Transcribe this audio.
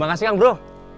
terima kasih kang bro